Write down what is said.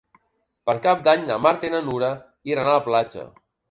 Per Cap d'Any na Marta i na Nura iran a la platja.